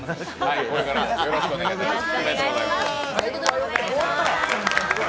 これからよろしくお願いいたします。